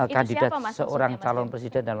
kandidat seorang calon presiden